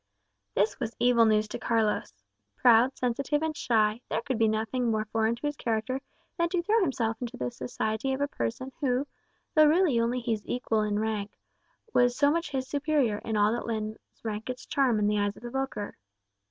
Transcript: This was evil news to Carlos. Proud, sensitive, and shy, there could be nothing more foreign to his character than to throw himself into the society of a person who, though really only his equal in rank, was so much his superior in all that lends rank its charm in the eyes of the vulgar.